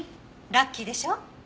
ラッキーでしょ？